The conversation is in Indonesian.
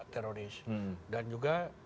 teroris dan juga